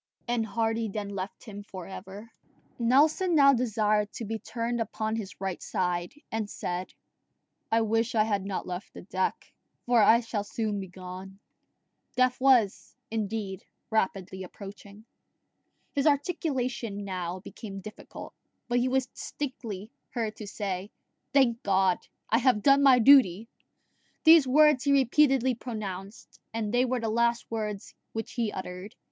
And Hardy then left him for ever. Nelson now desired to be turned upon his right side, and said, "I wish I had not left the deck, for I shall soon be gone." Death was, indeed, rapidly approaching. His articulation now became difficult, but he was distinctly heard to say, "Thank God, I have done my duty!" These words he repeatedly pronounced, and they were the last words which he uttered.